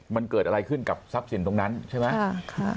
มันเกิดอะไรขึ้นกับทรัพย์สินตรงนั้นใช่ไหม